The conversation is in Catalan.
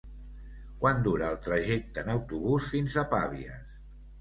Quant dura el trajecte en autobús fins a Pavies?